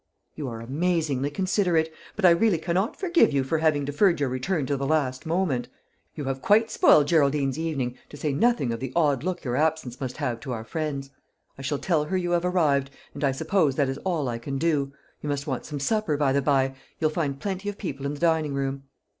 "You are amazingly considerate; but I really cannot forgive you for having deferred your return to the last moment. You have quite spoilt Geraldine's evening, to say nothing of the odd look your absence must have to our friends. I shall tell her you have arrived, and I suppose that is all I can do. You must want some supper, by the bye: you'll find plenty of people in the dining room."